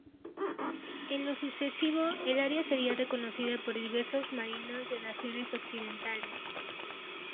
En lo sucesivo el área sería reconocida por diversos marinos de naciones occidentales.